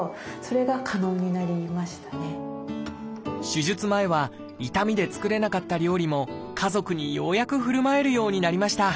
手術前は痛みで作れなかった料理も家族にようやくふるまえるようになりました。